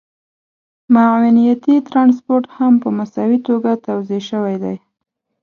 معاونيتي ټرانسپورټ هم په مساوي توګه توزیع شوی دی